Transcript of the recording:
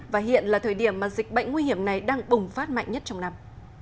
và hiện là thời điểm mà dịch bệnh nguy hiểm này đang bùng phát mạnh nhất trong năm